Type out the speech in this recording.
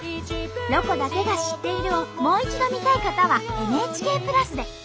「ロコだけが知っている」をもう一度見たい方はＮＨＫプラスで。